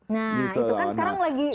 nah itu kan sekarang lagi kayaknya musim